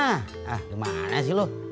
hah gimana sih lu